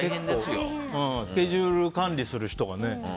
スケジュール管理する人がね。